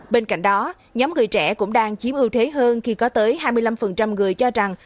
bên cạnh đó nhóm người trẻ cũng đang chiếm ưu thế hơn khi có tới hai mươi năm người cho rằng